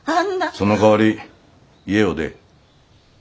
そのかわり家を出え。